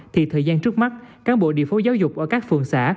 thì thời gian trước mắt cán bộ địa phương giáo dục ở các phường xã